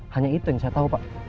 hanya itu yang saya tahu pak